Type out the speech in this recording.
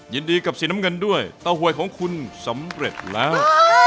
ยินดีกับสีน้ำเงินด้วยเต้าหวยของคุณสำเร็จแล้ว